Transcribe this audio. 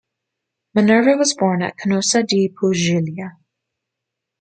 Minerva was born at Canosa di Puglia.